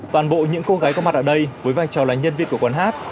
toàn bộ những cô gái có mặt ở đây với vai trò là nhân viên của quán hát